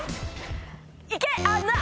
いけ。